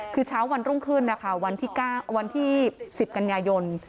คือเช้าวันรุ่งขึ้นนะคะวันที่๑๐กันยายน